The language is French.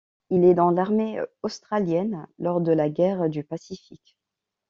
Il est dans l'armée australienne lors de la guerre du Pacifique.